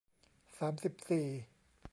สามสิบสี่